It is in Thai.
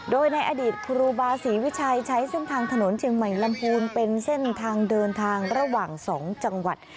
โดยในอดีตครูบาศรีวิชัยใช้เส้นทางถนนเชียงใหม่ลำพูนเป็นเส้นทางเดินทางระหว่าง๒จังหวัด